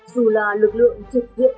dù là lực lượng trực diện